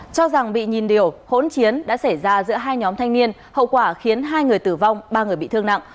cho rằng bị nhìn điều hỗn chiến đã xảy ra giữa hai nhóm thanh niên hậu quả khiến hai người tử vong ba người bị thương nặng